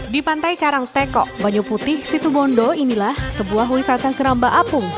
di pantai karangsteko banyo putih situ bondo inilah sebuah wisata keramba apung